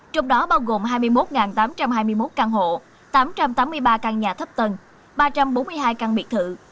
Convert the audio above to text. trong đó bao gồm hai mươi một tám trăm hai mươi một căn hộ tám trăm tám mươi ba căn nhà thấp tầng ba trăm bốn mươi hai căn biệt thự